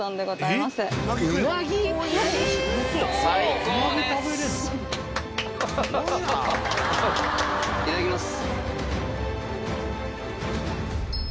いただきます。